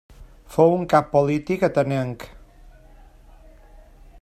Fou un cap polític atenenc.